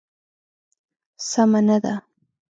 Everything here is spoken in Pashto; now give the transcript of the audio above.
سمه نه ده.